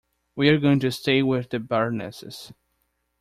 We're going to stay with the Barneses.